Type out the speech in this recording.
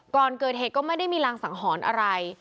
ก่อนเกิดเหตุก็ไม่ได้มีรางสังหรณ์อะไร